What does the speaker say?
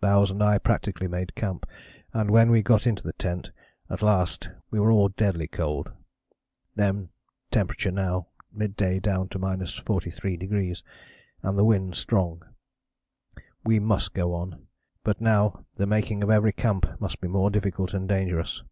Bowers and I practically made camp, and when we got into the tent at last we were all deadly cold. Then temp. now mid day down 43° and the wind strong. We must go on, but now the making of every camp must be more difficult and dangerous.